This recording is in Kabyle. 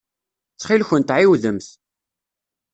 Ttxil-kent ɛiwdemt.